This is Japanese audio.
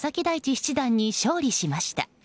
七段に勝利しました。